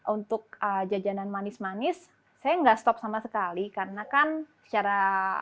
untuk jajanan manis manis saya nggak stop sama sekali karena kan secara